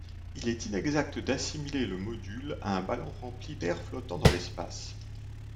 Il est inexact d'assimiler le module à un ballon rempli d'air flottant dans l'espace.